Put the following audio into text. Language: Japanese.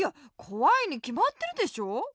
こわいにきまってるでしょ。